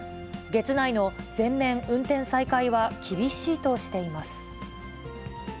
月内の全面運転再開は、厳しいとしています。